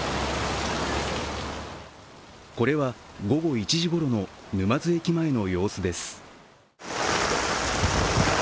これは午後１時ごろの沼津駅前の様子です。